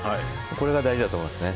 これが大事だと思いますね。